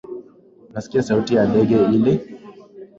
Unasikia sauti ya ndege ile?